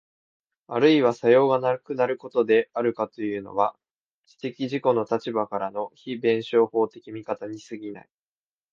あるいは作用がなくなることであるとかいうのは、知的自己の立場からの非弁証法的見方に過ぎない。